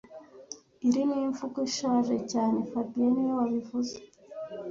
Iri ni imvugo ishaje cyane fabien niwe wabivuze